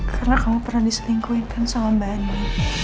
karena kamu pernah diselingkuhin kan sama mbak ani